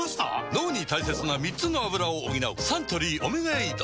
脳に大切な３つのアブラを補うサントリー「オメガエイド」